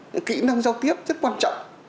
cái kĩ năng giao tiếp rất quan trọng